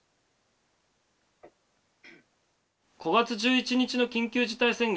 ５月１１日の緊急事態宣言